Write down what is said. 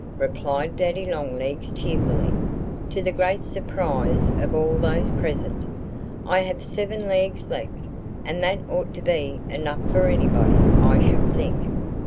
replied Daddy Longlegs cheerfully, to the great surprise of all those present. "I have seven legs left; and that ought to be enough for anybody. I should think."